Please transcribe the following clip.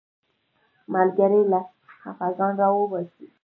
ملګری له خفګانه راوباسي